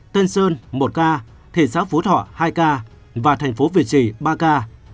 tân sơn một ca thị xã phú thọ hai ca và thành phố vị trí ba ca